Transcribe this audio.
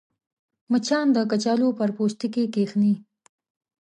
مچان د کچالو پر پوستکي کښېني